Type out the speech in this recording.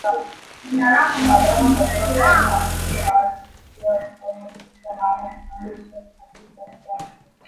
Wadogo katika ufalme wa Mungu hawatauingia ufalme kabisa maana kinyonge chochote hakitaingia Mbinguni